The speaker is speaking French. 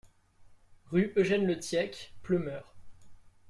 Rue Eugène Le Thiec, Ploemeur